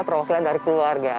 perwakilan dari keluarga